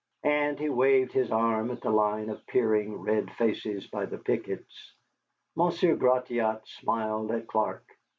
And he waved his arm at the line of peering red faces by the pickets. Monsieur Gratiot smiled at Clark.